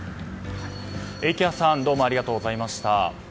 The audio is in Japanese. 池谷さんどうもありがとうございました。